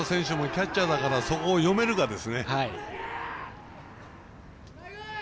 だから加藤選手もキャッチャーだからそこを読めるかですね。